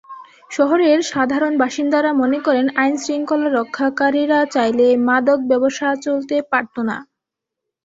শহরের সাধারণ বাসিন্দারা মনে করেন, আইনশৃঙ্খলা রক্ষাকারীরা চাইলে মাদক ব্যবসা চলতে পারত না।